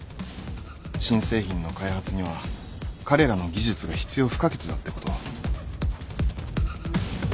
新製品の開発には彼らの技術が必要不可欠だってことを。